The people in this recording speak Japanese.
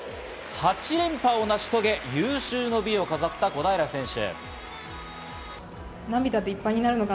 ８連覇を成し遂げ、有終の美を飾った小平選手。